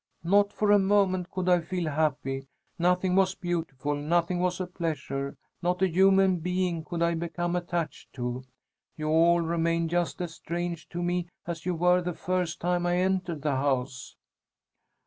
Not for a moment could I feel happy! Nothing was beautiful, nothing was a pleasure; not a human being could I become attached to. You all remained just as strange to me as you were the first time I entered the house."